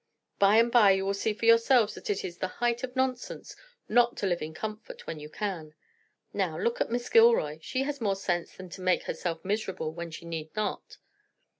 By and by you will see for yourselves that it is the height of nonsense not to live in comfort when you can. Now, look at Miss Gilroy; she has more sense than to make herself miserable when she need not."